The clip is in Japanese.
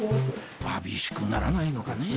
わびしくならないのかねぇ